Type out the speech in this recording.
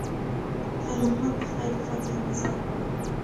خیر محمد د خدای د فضل انتظار کاوه.